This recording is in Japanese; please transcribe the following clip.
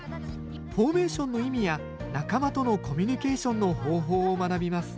フォーメーションの意味や仲間とのコミュニケーションの方法を学びます